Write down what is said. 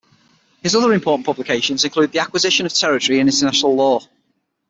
His other important publications include The Acquisition of Territory in International Law.